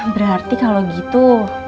berarti kalau gitu